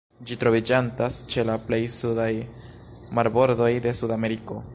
Ĝi troviĝantas ĉe la plej sudaj marbordoj de Sudameriko.